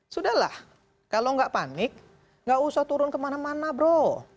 sudah lah kalau nggak panik nggak usah turun kemana mana bro